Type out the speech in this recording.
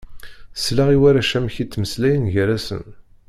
Selleɣ i warrac amek i ttmeslayen gar-asen.